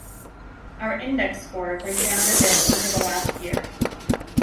Our Index score went down a bit over the last year.